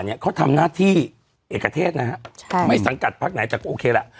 เนี่ยเขาทำหน้าที่เอกเทศนะฮะใช่ไม่สังกัดพักไหนแต่ก็โอเคล่ะ